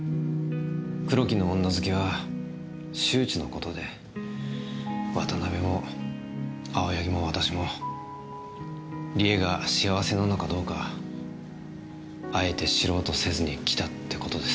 黒木の女好きは周知のことで渡辺も青柳も私も梨絵が幸せなのかどうかあえて知ろうとせずにきたってことです。